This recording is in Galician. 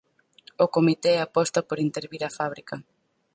O comité aposta por intervir a fábrica.